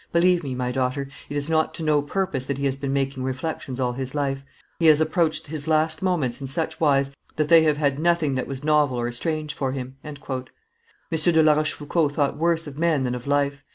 Believe me, my daughter, it is not to no purpose that he has been making reflections all his life; he has approached his last moments in such wise that they have had nothing that was novel or strange for him." M. de La Rochefoucauld thought worse of men than of life.